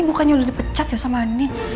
bukannya udah dipecat ya sama andi